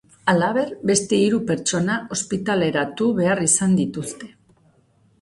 Halaber, beste hiru pertsona ospitaleratu behar izan dituzte.